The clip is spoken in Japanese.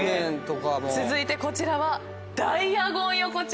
続いてこちらはダイアゴン横丁です。